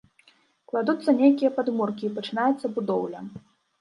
Кладуцца нейкія падмуркі і пачынаецца будоўля.